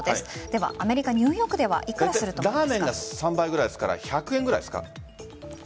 では、アメリカニューヨークではラーメンだと３倍ぐらいですから１００円ぐらいですか？